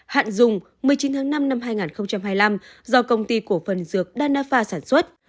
hạn dùng một mươi chín tháng năm năm hai nghìn hai mươi năm do công ty cổ phần dược đannafa sản xuất